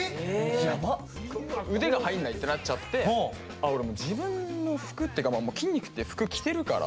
腕が入んないってなっちゃって俺もう自分の服っていうか筋肉っていう服着てるから。